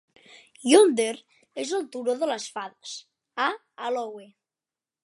Yonder és el turó de les fades "a' alowe"